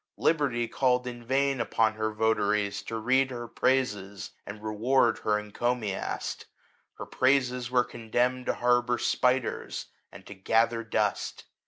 Liberty called in vain upon her votaries to read her praises, and reward her encomiast : her praises were condemned to harbour spiders, and to gather dust.